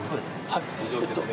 はい。